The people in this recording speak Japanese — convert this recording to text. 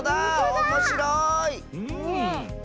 おもしろい！